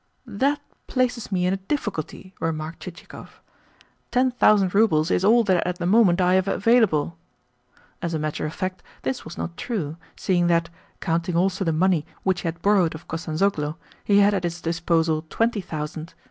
"That places me in a difficulty," remarked Chichikov. "Ten thousand roubles is all that at the moment I have available." As a matter of fact, this was not true, seeing that, counting also the money which he had borrowed of Kostanzhoglo, he had at his disposal TWENTY thousand.